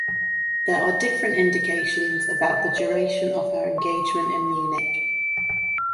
There are different indications about the duration of her engagement in Munich.